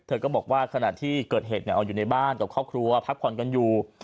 ก็บอกว่าขณะที่เกิดเหตุเอาอยู่ในบ้านกับครอบครัวพักผ่อนกันอยู่